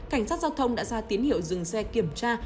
cảnh sát giao thông đã ra tín hiệu dừng xe kiểm tra